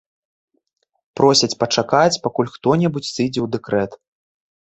Просяць пачакаць, пакуль хто-небудзь сыдзе ў дэкрэт.